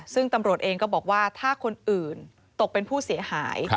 ซึ่งตำรวจเองก็บอกว่าถ้าคนอื่นตกเป็นผู้เสียหาย